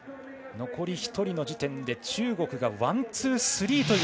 残り１人の時点で中国がワン、ツー、スリー。